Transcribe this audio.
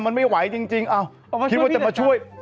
มันไม่ไหวจริงคิดว่าจะมาช่วย